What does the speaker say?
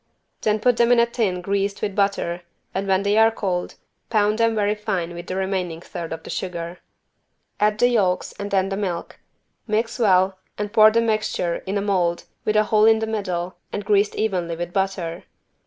Then put them in a tin greased with butter and when they are cold, pound them very fine with the remaining third of sugar. Add the yolks and then the milk, mix well and pour the mixture in a mold with a hole in the middle and greased evenly with butter.